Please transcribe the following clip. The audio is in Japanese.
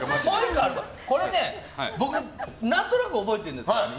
これね、僕、何となく覚えてるんですけどね。